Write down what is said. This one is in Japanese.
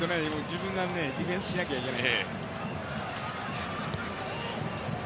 自分がディフェンスしないといけない。